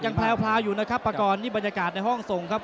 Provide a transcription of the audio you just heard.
ยังพราพราอยู่นะครับประกอลนี่บรรยากาศในห้องทรงครับ